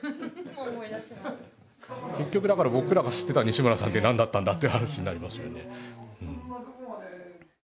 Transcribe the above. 結局だから僕らが知ってた西村さんって何だったんだって話になりますよね。